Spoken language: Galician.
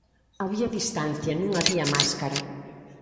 Había distancia, non había máscara.